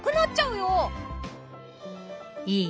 いい？